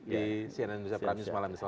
di cnn indonesia prime news malam ini